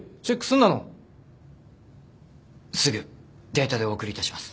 すぐデータでお送りいたします。